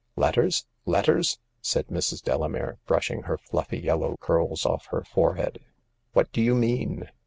" Letters ! letters !" said Mrs. Delamere, brushing her fluffy yellow curls off her forehead. " What do you mean